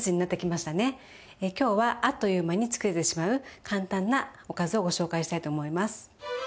今日はあっという間に作れてしまう簡単なおかずをご紹介したいと思います。